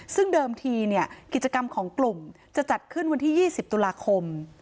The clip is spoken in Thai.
ซึ่งเดิมทีกิจกรรมของกลุ่มจะจัดขึ้นวันที่๒๐ตุลาคม